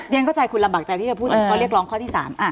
ดินก็ใจคุณลำบากใจที่จะพูดเรื่องเขาเรียกล้องข้อที่สาม